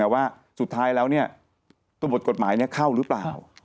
ว่าสุดท้ายแล้วตรวจกฏหมายเนี่ยเข้าหรือเปล่า